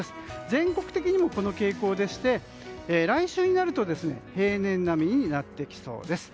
全国的にもこの傾向でして、来週になると平年並みになってきそうです。